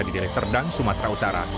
di liserdang sumatera utara